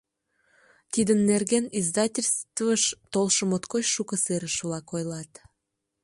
Тидын нерген издательствыш толшо моткоч шуко серыш-влак ойлат.